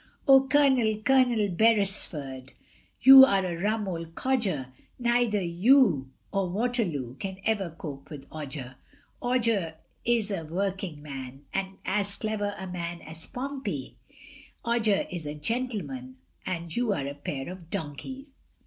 Oh, Colonel, Colonel Beresford, You are a rum old codger, Neither you or Waterlow Can ever cope with Odger; Odger is a working man, And as clever a man as Pompey, Odger is a gentleman, And you are a pair of donkeys.